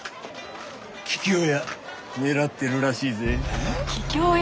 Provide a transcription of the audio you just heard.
桔梗屋狙ってるらしいぜ。